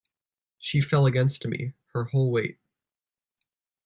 She fell against me — her whole weight.